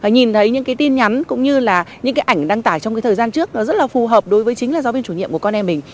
nhìn thấy những tin nhắn cũng như là những ảnh đăng tải trong thời gian trước rất là phù hợp đối với chính là giáo viên chủ nhiệm của con em mình